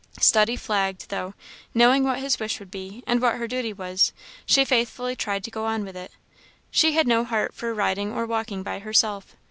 Study flagged; though, knowing what his wish would be, and what her duty was, she faithfully tried to go on with it. She had no heart for riding or walking by herself.